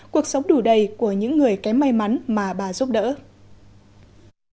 cuộc sống đủ đầy của những người kém may mắn mà bà giúp đỡ